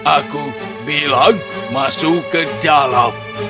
aku bilang masuk ke dalam